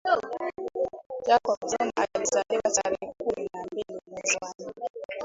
jacob zuma alizaliwa tarehe kumi na mbili mwezi wa nne